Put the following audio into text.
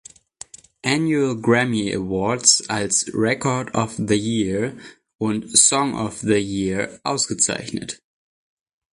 Annual Grammy Awards als „Record of the Year“ und „Song of the Year“ ausgezeichnet.